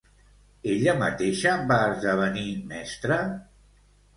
Ella mateixa va esdevenir mestra?